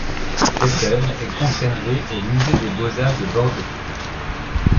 Cette œuvre est conservée au Musée des beaux-arts de Bordeaux.